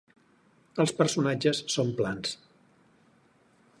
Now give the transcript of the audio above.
Els personatges són plans.